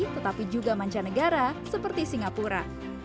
tetapi juga mancanegara seperti singapura